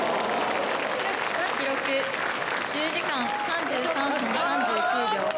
記録１０時間３３分３９秒。